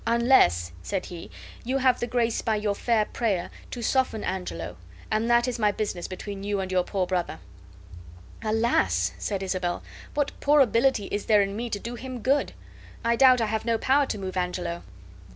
"Unless," said he, "you have the grace by your fair prayer to soften Angelo, and that is my business between you and your poor brother." "Alas!" said Isabel, "what poor ability is there in me to do him good? I doubt I have no power to move Angelo."